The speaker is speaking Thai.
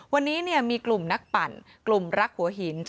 วันนี้มีกลุ่มนักปั่นกลุ่มรักหัวหิน